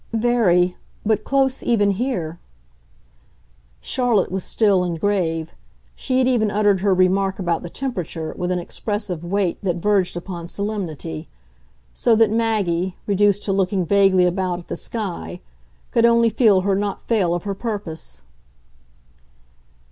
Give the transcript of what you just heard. "Very but close even here." Charlotte was still and grave she had even uttered her remark about the temperature with an expressive weight that verged upon solemnity; so that Maggie, reduced to looking vaguely about at the sky, could only feel her not fail of her purpose.